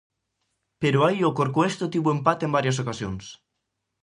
Pero aí o Corcoesto tivo o empate en varias ocasións.